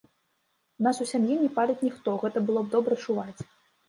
У нас у сям'і не паліць ніхто, гэта было б добра чуваць.